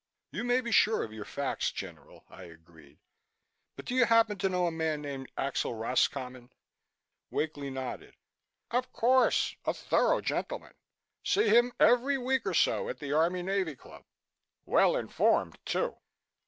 "You may be sure of your facts, General," I agreed, "but do you happen to know a man named Axel Roscommon?" Wakely nodded. "Of course, a thorough gentleman. See him every week or so at the Army Navy Club. Well informed, too."